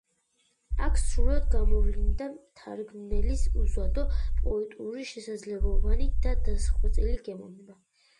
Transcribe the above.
აქ სრულად გამოვლინდა მთარგმნელის უზადო პოეტური შესაძლებლობანი და დახვეწილი გემოვნება.